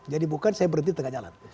jadi bukan saya berhenti tengah jalan